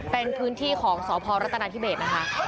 เป็นพื้นที่ของสพรัฐนาธิเบสนะคะ